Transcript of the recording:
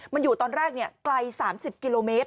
มันอยู่ตอนแรกไกล๓๐กิโลเมตร